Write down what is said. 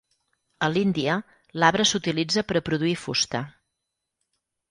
A l'Índia, l'arbre s'utilitza per a produir fusta.